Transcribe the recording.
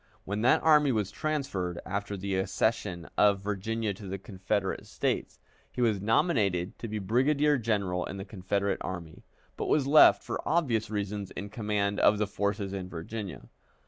When that army was transferred, after the accession of Virginia to the Confederate States, he was nominated to be brigadier general in the Confederate Army, but was left for obvious reasons in command of the forces in Virginia.